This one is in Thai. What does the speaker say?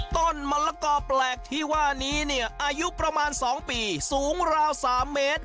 ต้นมะละกอแปลกที่ว่านี้เนี่ยอายุประมาณ๒ปีสูงราว๓เมตร